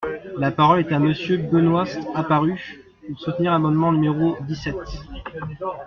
La parole est à Monsieur Benoist Apparu, pour soutenir l’amendement numéro dix-sept.